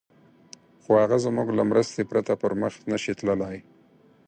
خو هغه زموږ له مرستې پرته پر مخ نه شي تللای.